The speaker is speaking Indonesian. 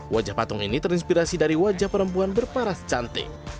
wajah patung ini terinspirasi dari wajah perempuan berparas cantik